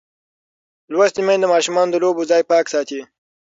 لوستې میندې د ماشومانو د لوبو ځای پاک ساتي.